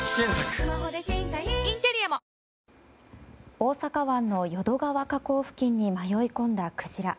大阪湾の淀川河口付近に迷い込んだクジラ。